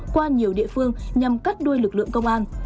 qua nhiều địa phương nhằm cắt đuôi lực lượng công an